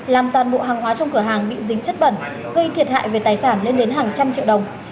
làm toàn bộ hàng hóa trong cửa hàng bị dính chất bẩn gây thiệt hại về tài sản lên đến hàng trăm triệu đồng